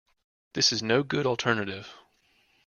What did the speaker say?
This no good alternative.